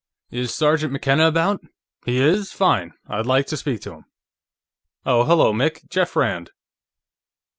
"Is Sergeant McKenna about?... He is? Fine; I'd like to speak to him.... Oh, hello, Mick; Jeff Rand."